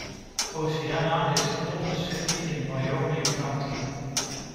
Oceana is the oldest city in Wyoming County.